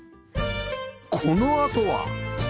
このあとは